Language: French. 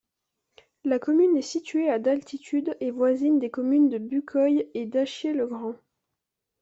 La commune est située à d'altitude et voisine des communes de Bucquoy et d'Achiet-le-Grand.